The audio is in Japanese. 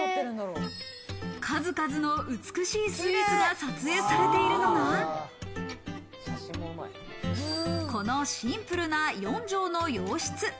数々の美しいスイーツが撮影されているのが、このシンプルな４帖の洋室。